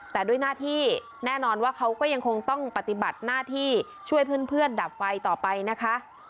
แต่ด้วยหน้าที่แน่นอนว่าเขาก็ยังคงต้องปฏิบัติหน้าที่ช่วยเพื่อนดับไฟต่อไปนะคะ